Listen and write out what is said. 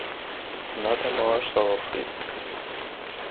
Not a morsel of it.